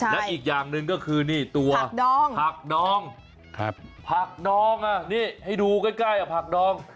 และอีกอย่างหนึ่งก็คือนี่ตัวผักน้องผักน้องนี่ให้ดูใกล้ผักดอง